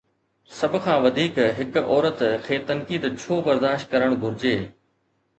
سڀ کان وڌيڪ، هڪ عورت کي تنقيد ڇو برداشت ڪرڻ گهرجي؟